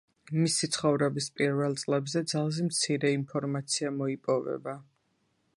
მისი ცხოვრების პირველ წლებზე ძალზედ მცირე ინფორმაცია მოიპოვება.